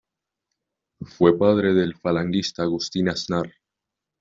Fue padre del falangista Agustín Aznar.